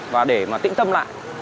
và để mà tĩnh tâm lại